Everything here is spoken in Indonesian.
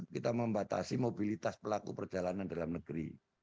kita membatasi mobilitas pelaku perjalanan dalam negeri